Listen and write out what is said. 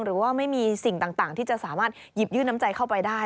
หรือว่าไม่มีสิ่งต่างที่จะสามารถหยิบยื่นน้ำใจเข้าไปได้